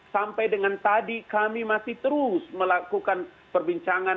sampai dengan tadi kami masih terus melakukan perbincangan